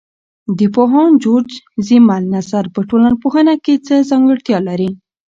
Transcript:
د پوهاند جورج زیمل نظر په ټولنپوهنه کې څه ځانګړتیا لري؟